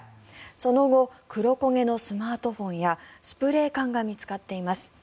その後黒焦げのスマートフォンやスプレー缶が見つかっています。